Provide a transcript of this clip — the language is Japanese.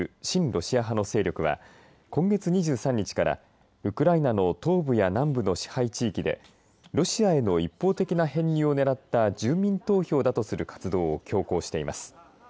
ロシア派の勢力は今月２３日からウクライナの東部や南部の支配地域でロシアへの一方的な編入をねらった住民投票だとする活動を強行しています。